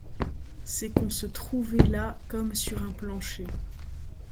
C’est qu’on se trouvé là comme sur un plancher